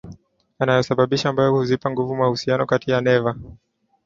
yanayosababisha ambayo huzipa nguvu mahusiano kati ya neva